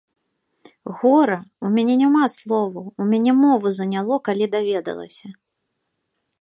Гора, у мяне няма словаў, у мяне мову заняло, калі даведалася.